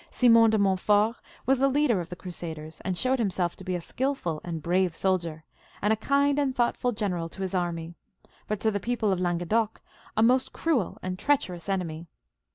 Simon de Moi^tfort was the leader of tihe crusadejs, and showed himself to be a skilful and brave soldier, and a kind and thoughtful general to his army ; but to the people of Lan guedoc a n^st cruel and treacherous enemy.